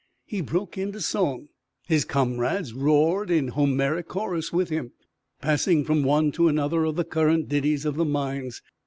He broke into song. His comrades roared in Homeric chorus with him, passing from one to another of the current ditties of the mines.